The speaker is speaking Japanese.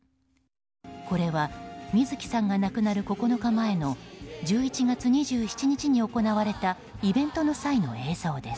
これは、水木さんが亡くなる９日前の１１月２７日に行われたイベントの際の映像です。